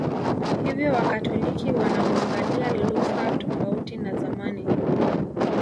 Hivyo Wakatoliki wanamuangalia Luther tofauti na zamani